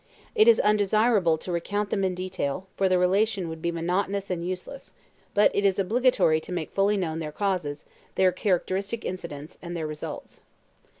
It is undesirable to recount them in detail, for the relation would be monotonous and useless; but it is obligatory to make fully known their causes, their characteristic incidents, and their results.